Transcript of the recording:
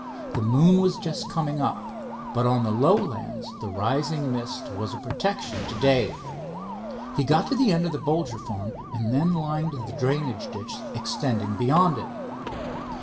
The moon was just coming up, but on the lowlands the rising mist was a protection to Dave. He got to the end of the Bolger farm and then lined the drainage ditch extending beyond it.